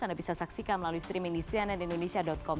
anda bisa saksikan melalui streaming di cnnindonesia com